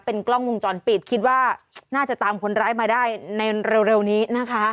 กล้องวงจรปิดคิดว่าน่าจะตามคนร้ายมาได้ในเร็วนี้นะคะ